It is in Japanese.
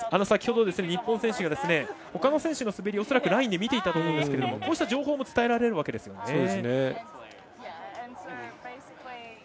先ほど日本選手がほかの選手の滑りを恐らくラインで見ていたと思うんですがこうした情報も伝えられるわけですね。